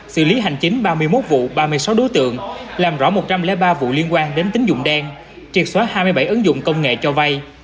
xử lý hành chính ba mươi một vụ ba mươi sáu đối tượng làm rõ một trăm linh ba vụ liên quan đến tính dụng đen triệt xóa hai mươi bảy ứng dụng công nghệ cho vay